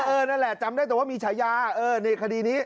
เออนั่นแหละจำได้ตัวว่ามีฉายาในคดีนี้